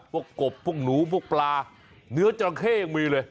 กบพวกหนูพวกปลาเนื้อจราเข้ยังมีเลย